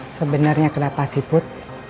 sebenernya kenapa sih put